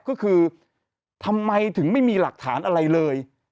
ก็คือทำไมถึงไม่มีหลักฐานอะไรเลย